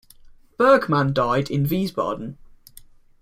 Bergmann died in Wiesbaden.